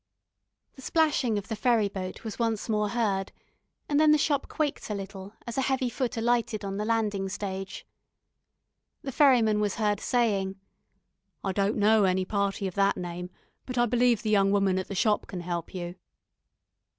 The splashing of the ferry boat was once more heard, and then the shop quaked a little as a heavy foot alighted on the landing stage. The ferryman was heard saying: "I don't know any party of that name, but I believe the young woman at the shop can help you."